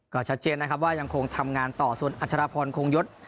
ก็ชัดเจนนะครับว่ายังคงทำงานต่อส่วนอัชรพรคงยศ